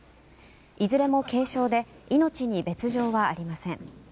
いずれも軽傷で命に別条はありません。